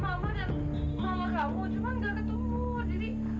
mama dan mama kamu cuma ga ketemu jadi